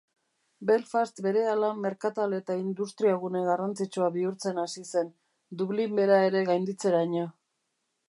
Belfast berehala merkatal eta industriagune garrantzitsua bihurtzen hasi zen, Dublin bera ere gainditzeraino.